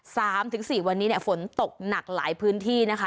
สามถึงสี่วันนี้เนี่ยฝนตกหนักหลายพื้นที่นะคะ